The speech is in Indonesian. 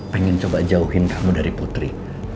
pengen coba jauhin kamu dari putri